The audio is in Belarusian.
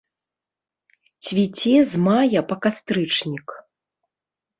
Цвіце з мая па кастрычнік.